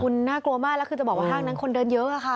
คุณน่ากลัวมากแล้วคือจะบอกว่าห้างนั้นคนเดินเยอะอะค่ะ